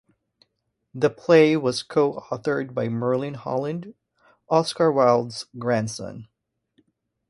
The play was co-authored by Merlin Holland, Oscar Wilde's grandson.